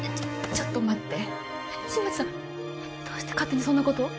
ちょっと待って新町さんどうして勝手にそんなことを？